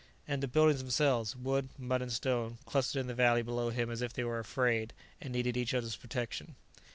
And the buildings themselves, wood, mud and stone, clustered in the valley below him as if they were afraid, and needed each other's protection.